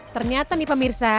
ternyata nih pemirsa